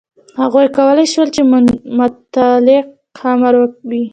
هغوی کولای شول چې مطلق امر وي.